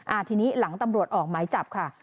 ทีนี้หลังตำรวจออกหมายจับค่ะ